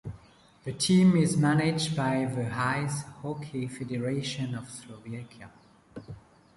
The team is managed by the Ice Hockey Federation of Slovakia.